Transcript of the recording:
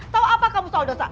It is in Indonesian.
tahu apa kamu soal dosa